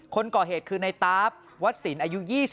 คนก่อเหตุคือในตาฟวัดสินอายุ๒๕